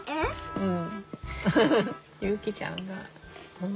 うん。